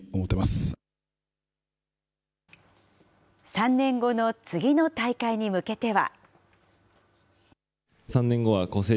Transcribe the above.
３年後の次の大会に向けては。